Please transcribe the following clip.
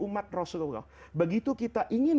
umat rasulullah begitu kita ingin